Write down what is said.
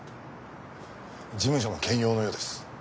事務所も兼用のようです。